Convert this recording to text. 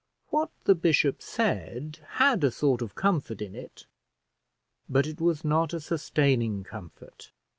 What the bishop said had a sort of comfort in it, but it was not a sustaining comfort.